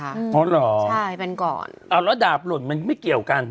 อ๋อเหรอใช่เป็นก่อนเอาแล้วดาบหล่นมันไม่เกี่ยวกัน